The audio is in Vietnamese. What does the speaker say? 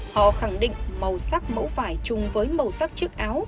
họ khẳng định màu sắc mẫu vải chung với màu sắc chiếc áo